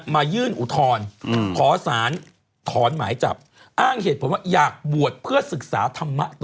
มายื่นอุทธรณ์ขอสารถอนหมายจับอ้างเหตุผลว่าอยากบวชเพื่อศึกษาธรรมะต่อ